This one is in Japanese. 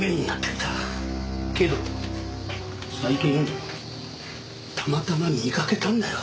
けど最近たまたま見かけたんだよ。